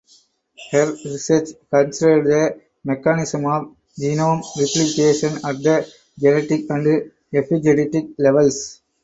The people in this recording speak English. Her research considered the mechanisms of genome replication at the genetic and epigenetic levels.